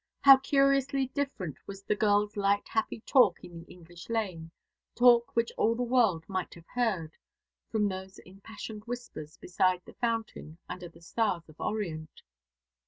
How curiously different was the girl's light happy talk in the English lane talk which all the world might have heard from those impassioned whispers beside the fountain, under the stars of Orient!